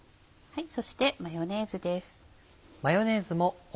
そしてマヨネーズです。